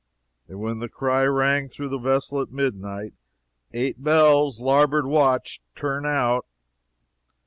and when the cry rang through the vessel at midnight: "EIGHT BELLS! LARBOARD WATCH, TURN OUT!"